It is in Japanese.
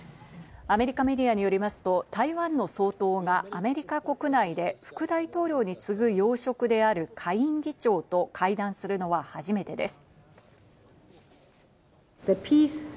アメリカメディアによりますと、台湾の総統がアメリカ国内で副大統領に次ぐ要職である下院議長と会談するのは初めてです。